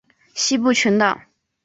西部群岛。